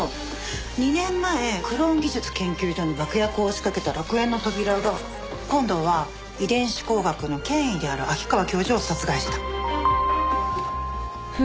２年前クローン技術研究所に爆薬を仕掛けた楽園の扉が今度は遺伝子工学の権威である秋川教授を殺害した。